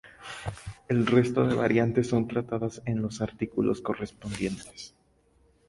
El resto de variantes son tratadas en los artículos correspondientes.